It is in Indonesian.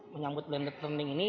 menyambut blended learning ini